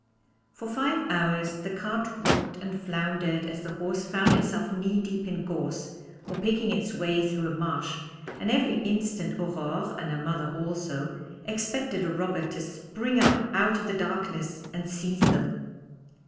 For five hours the cart rocked and floundered as the horse found itself knee deep in gorse or picking its way through a marsh, and every instant Aurore and her mother also expected a robber to spring up out of the darkness and seize them.